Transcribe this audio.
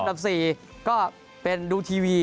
อันดับสี่ก็เป็นดูทีวี